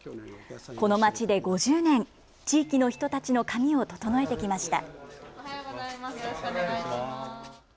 この街で５０年、地域の人たちの髪を整えてきました。